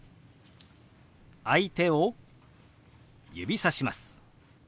相手を指さします。